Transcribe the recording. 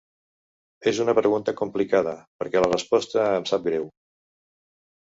És una pregunta complicada, perquè la resposta em sap greu.